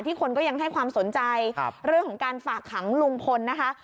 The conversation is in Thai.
คนก็ยังให้ความสนใจเรื่องของการฝากขังลุงพลนะคะ